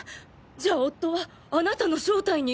じゃあ夫はあなたの正体に？